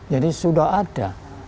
jadi sudah ada